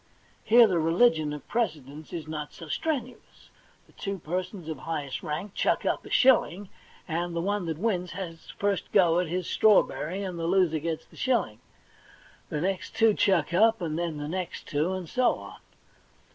Here the rehgion of precedence is not so strenuous ; the two persons of highest rank chuck up a shilling, the one that wins has first go at his strawberry, and the loser gets the shilling. The next two chuck up, then the next two, and so on.